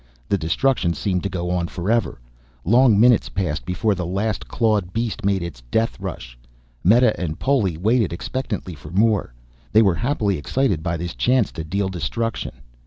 The destruction seemed to go on forever. Long minutes passed before the last clawed beast made its death rush. Meta and Poli waited expectantly for more, they were happily excited by this chance to deal destruction.